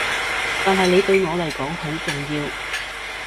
但係你對我嚟講好重要